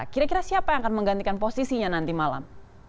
kira kira siapa yang akan menggantikan posisinya nanti malam